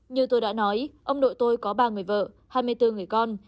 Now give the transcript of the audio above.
như tôi đã nói ông đội tôi có ba người vợ hai mươi bốn người con